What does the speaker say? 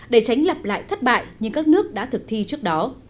để tránh lặp lại thất bại như các nước đã thực thi trước đó